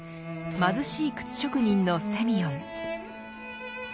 貧しい靴職人のセミヨン。